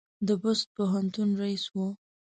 د بُست پوهنتون رییس و.